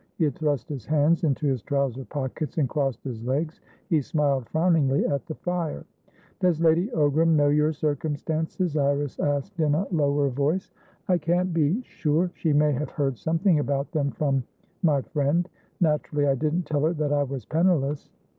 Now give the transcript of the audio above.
He had thrust his hands into his trouser pockets, and crossed his legs; he smiled frowningly at the fire. "Does Lady Ogram know your circumstances?" Iris asked, in a lower voice. "I can't be sure. She may have heard something about them frommy friend. Naturally, I didn't tell her that I was penniless."